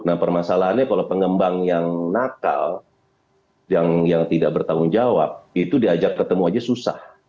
nah permasalahannya kalau pengembang yang nakal yang tidak bertanggung jawab itu diajak ketemu aja susah